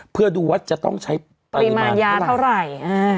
เพื่อดูว่าจะต้องใช้ปริมาณยาเท่าไหร่